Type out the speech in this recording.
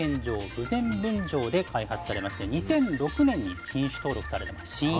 豊前分場で開発されまして２００６年に品種登録された新品種なんです。